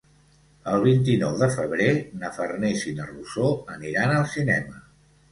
El vint-i-nou de febrer na Farners i na Rosó aniran al cinema.